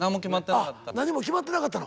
あ何も決まってなかったの？